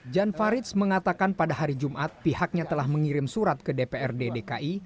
jan faridz mengatakan pada hari jumat pihaknya telah mengirim surat ke dprd dki